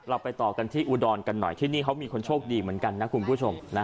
ไปต่อกันที่อุดรกันหน่อยที่นี่เขามีคนโชคดีเหมือนกันนะคุณผู้ชม